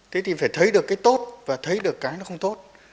thế thì phải thấy được cái tốt và thấy được cái nó không tốt